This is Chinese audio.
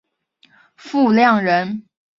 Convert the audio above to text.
傅亮人。